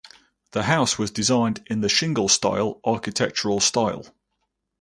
The house was designed in the Shingle style architectural style.